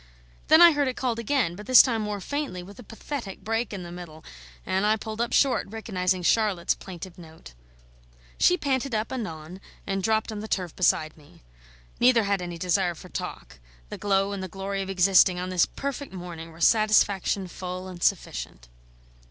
Then I heard it called again, but this time more faintly, with a pathetic break in the middle; and I pulled up short, recognising Charlotte's plaintive note. She panted up anon, and dropped on the turf beside me. Neither had any desire for talk; the glow and the glory of existing on this perfect morning were satisfaction full and sufficient.